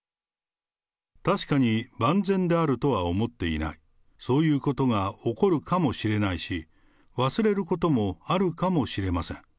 確かに万全であるとは思っていない、そういうことが起こるかもしれないし、忘れることもあるかもしれません。